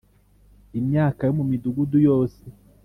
imyaka yo mu midugudu yose